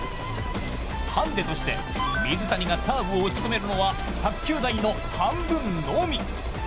ハンデとして水谷がサーブを打ち込めるのは卓球台の半分のみ。